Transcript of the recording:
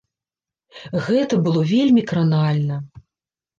Гэта было вельмі кранальна.